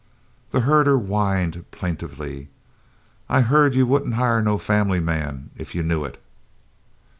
The herder whined plaintively. "I heerd you wouldn't hire no fambly man if you knew it."